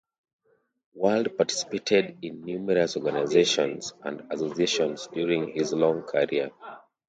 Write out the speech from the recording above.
Ward participated in numerous organizations and associations during his long career.